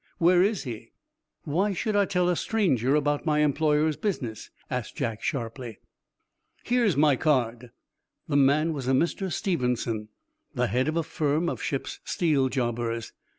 Where is he?" "Why should I tell a stranger about my employer's business?" asked Jack sharply. "Here's my card." The man was a Mr. Stevenson, the head of a firm of ship's steel jobbers.